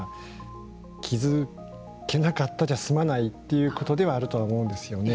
気付けなかったじゃ済まないということはではあると思うんですよね。